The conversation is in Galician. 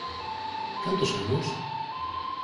Cantos anos?